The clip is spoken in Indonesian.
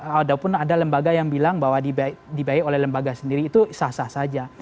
walaupun ada lembaga yang bilang bahwa dibayar oleh lembaga sendiri itu sah sah saja